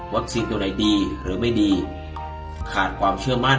วัคซีนตัวไหนดีหรือไม่ดีขาดความเชื่อมั่น